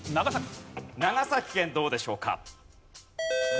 長崎県どうでしょうか？